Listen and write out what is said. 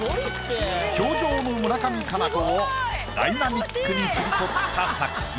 氷上の村上佳菜子をダイナミックに切り取った作品。